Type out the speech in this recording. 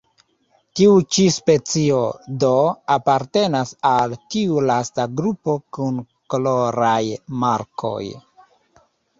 Tiu ĉi specio, do, apartenas al tiu lasta grupo kun koloraj markoj.